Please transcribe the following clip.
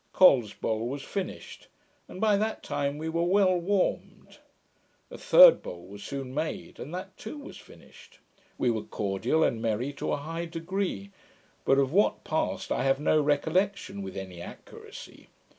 Col's bowl was finished; and by that time we were well warmed. A third bowl was soon made, and that too was finished. We were cordial, and merry to a high degree; but of what passed I have no recollection, with any accuracy.